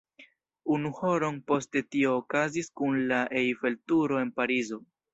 Unu horon poste tio okazis kun la Eiffel-Turo en Parizo.